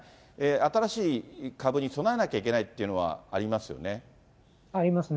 新しい株に備えなきゃいけないっていうのはありますよね。